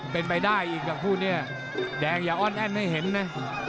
เป็นไปได้อีกกับคู่นี้แดงอย่าอ้อนแอ้นให้เห็นนะ